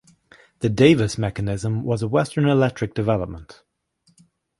The Davis mechanism was a Western Electric development.